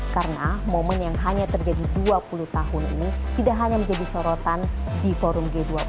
karena momen yang hanya terjadi dua puluh tahun ini tidak hanya menjadi sorotan di forum g dua puluh